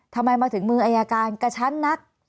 ทำไมมาถึงมืออายการกระชั้นนัก